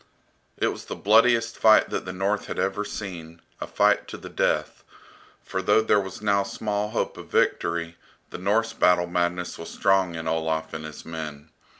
It was the bloodiest fight that the North had ever seen, a fight to the death, for though there was now small hope of victory, the Norse battle madness was strong in Olaf and his men.